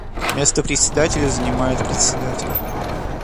Место Председателя занимает Председатель.